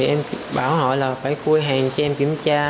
em bảo họ là phải cua hàng cho em kiểm tra